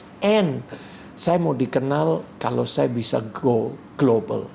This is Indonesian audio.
dan saya mau dikenal kalau saya bisa go global